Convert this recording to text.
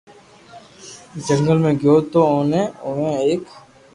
جنگل ۾ گيو تو اوني اووي ايڪ